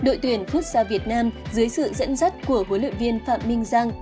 đội tuyển futsa việt nam dưới sự dẫn dắt của huấn luyện viên phạm minh giang